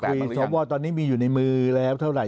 ว่าไปคุยสวตอนนี้มีอยู่ในมือแล้วเท่าไหร่